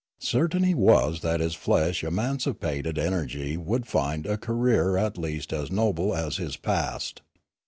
Certain he was that his flesh emancipated en ergy would find a career at least as noble as his past.